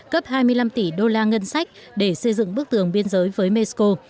cấp hai mươi năm tỷ đô la ngân sách để xây dựng bức tường biên giới với mexico